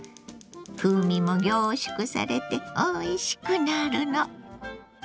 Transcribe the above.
風味も凝縮されておいしくなるの。